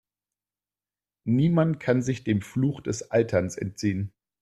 Niemand kann sich dem Fluch des Alterns entziehen.